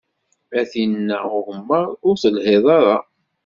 A tinn-a n ugemmaḍ, ur telhiḍ ara.